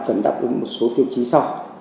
cần đáp ứng một số tiêu chí sau